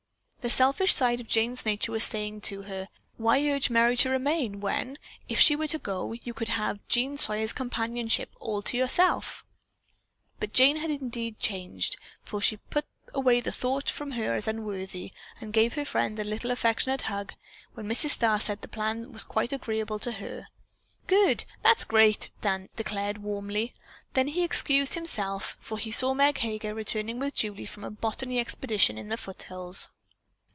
The selfish side of Jane's nature was saying to her: "Why urge Merry to remain, when, if she were to go, you could have Jean Sawyer's companionship all to yourself?" But Jane had indeed changed, for she put the thought away from her as unworthy, and gave her friend a little affectionate hug when Mrs. Starr said that the plan was quite agreeable to her. "Good! That's great!" Dan declared warmly. Then he excused himself, for he saw Meg Heger returning with Julie from a "botany expedition" in the foothills.